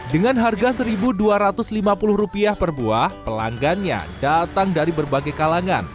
dengan harga rp satu dua ratus lima puluh per buah pelanggannya datang dari berbagai kalangan